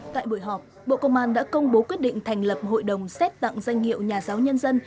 tại buổi họp bộ công an đã công bố quyết định thành lập hội đồng xét tặng danh hiệu nhà giáo nhân dân